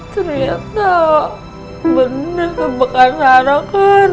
ternyata bener kebakan sarah kan